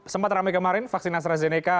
sempat rame kemarin vaksin astrazeneca